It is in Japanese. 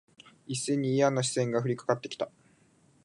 一斉にいやな視線が降りかかって来た。